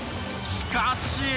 しかし。